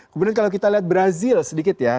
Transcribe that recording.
kemudian kalau kita lihat brazil sedikit ya